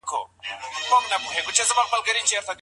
د فساد د مخنيوي لپاره څه بايد وشي؟